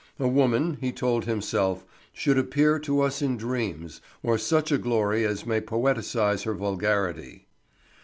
A woman, he told himself, should appear to us in dreams, or such a glory as may poetize her vulgarity.